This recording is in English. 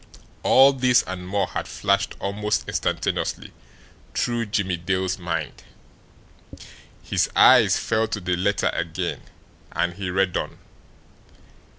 All this and more had flashed almost instantaneously through Jimmie Dale's mind. His eyes fell to the letter again, and he read on.